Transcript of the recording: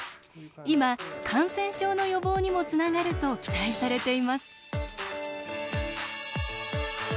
今感染症の予防にもつながると期待されています。